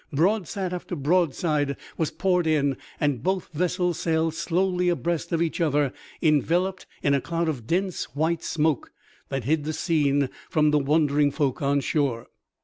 Broadside after broadside was poured in and both vessels sailed slowly abreast of each other enveloped in a cloud of dense white smoke that hid the scene from the wondering folk on shore.